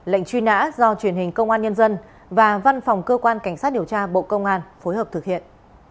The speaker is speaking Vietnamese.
lệnh truy nã do truyền hình công an nhân dân và văn phòng cơ quan cảnh sát điều tra bộ công an phối hợp thực hiện